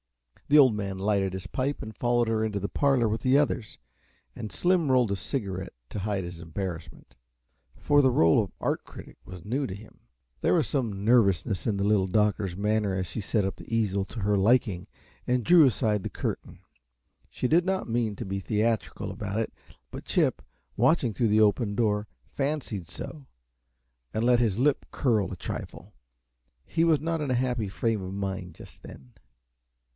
The Old Man lighted his pipe and followed her into the parlor with the others, and Slim rolled a cigarette to hide his embarrassment, for the role of art critic was new to him. There was some nervousness in the Little Doctor's manner as she set the easel to her liking and drew aside the curtain. She did not mean to be theatrical about it, but Chip, watching through the open door, fancied so, and let his lip curl a trifle. He was not in a happy frame of mind just then.